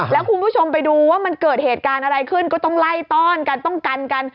แล้วคุณผู้ชมไปดูว่ามันเกิดเหตุการณ์อะไรขึ้นก็ต้องไล่ต้อนกันต้องกันกัน